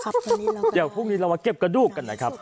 เดี๋ยวพรุ่งนี้เรามาเก็บกระดูกกันนะครับ